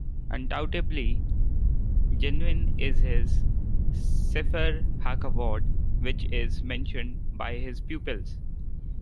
Undoubtedly genuine is his "Sefer HaKavod", which is mentioned by his pupils.